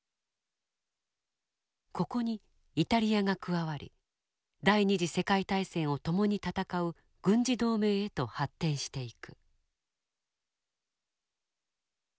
ここにイタリアが加わり第二次世界大戦を共に戦う軍事同盟へと発展していく。